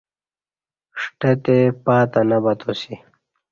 اݜٹتے پہ پاتہ نہ باتاسی۔